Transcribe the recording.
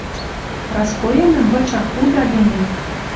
Праскоэмӹм выча худа гӹньӹ